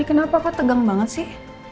kenapa kok tegang banget sih